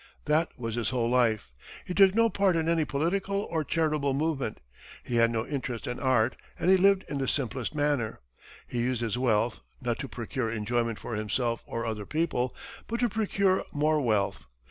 That was his whole life. He took no part in any political or charitable movement; he had no interest in art, and he lived in the simplest manner. He used his wealth, not to procure enjoyment for himself or other people, but to procure more wealth.